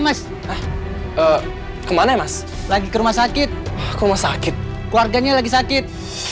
mas kemana mas lagi ke rumah sakit rumah sakit keluarganya lagi sakit